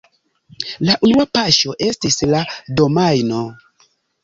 La unua paŝo estis la domajno.